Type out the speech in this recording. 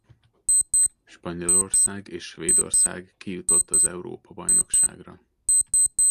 Spanyolország és Svédország kijutott az Európa-bajnokságra.